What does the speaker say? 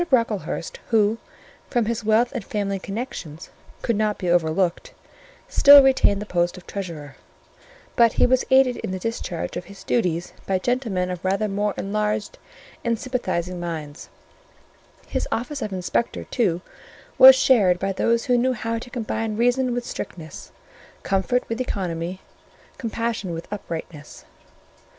Brocklehurst, who, from his wealth and family connections, could not be overlooked, still retained the post of treasurer; but he was aided in the discharge of his duties by gentlemen of rather more enlarged and sympathising minds: his office of inspector, too, was shared by those who knew how to combine reason with strictness, comfort with economy, compassion with uprightness.